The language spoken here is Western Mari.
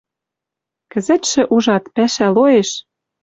Кӹзӹтшӹ, ужат, пӓшӓ лоэш